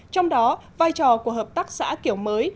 trong đó vai trò của hợp tác xã kiểu mới